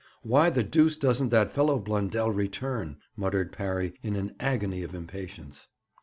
'Why the deuce doesn't that fellow Blundell return?' muttered Parry, in an agony of impatience.